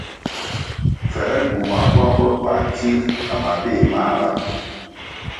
Pfęr gywumah buang botuah tsir na mabéh mahga.